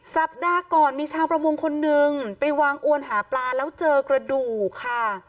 สัปดาห์ก่อนมีชาวประมงคนนึงไปวางอวนหาปลาแล้วเจอกระดูกค่ะ